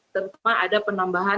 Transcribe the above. terutama ada penambahan